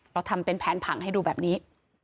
เราทำเป็นแผนผังให้ดูแบบนี้